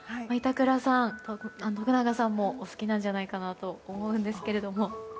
板倉さん、徳永さんもお好きなんじゃないかと思うんですけれども。